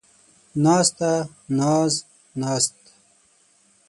ناسته ، ناز ، ناست